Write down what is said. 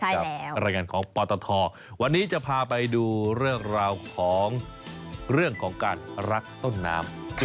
กับรายงานของปตทวันนี้จะพาไปดูเรื่องราวของเรื่องของการรักต้นน้ำ